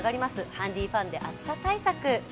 ハンディファンで暑さ対策。